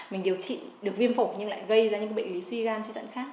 mình điều trị được viêm phổi nhưng lại gây ra những bệnh lý suy gan suy thận khác